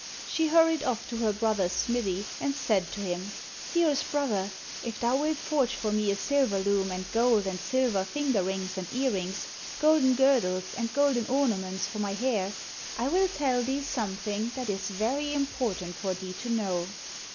She hurried off to her brother's smithy and said to him: 'Dearest brother, if thou wilt forge for me a silver loom and gold and silver finger rings and earrings, golden girdles and golden ornaments for my hair, I will tell thee something that is very important for thee to know.'